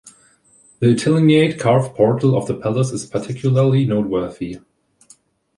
The Italianate carved portal of the palace is particularly noteworthy.